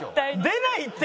「出ないって」